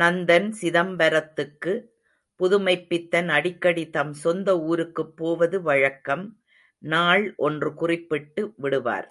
நந்தன் சிதம்பரத்துக்கு... புதுமைப்பித்தன் அடிக்கடி தம் சொந்த ஊருக்குப் போவது வழக்கம், நாள் ஒன்று குறிப்பிட்டு விடுவார்.